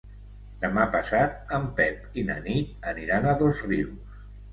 Demà passat en Pep i na Nit aniran a Dosrius.